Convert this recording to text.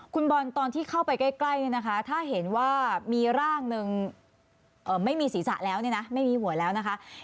คุณบอลตอนที่เข้าไปใกล้เนี่ยนะคะถ้าเห็นว่ามีร่างหนึ่งไม่มีศีรษะแล้วเนี่ยนะไม่มีหัวแล้วนะคะ